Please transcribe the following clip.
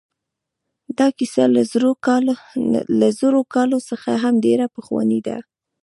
دا کیسه له زرو کالو څخه هم ډېره پخوانۍ ده.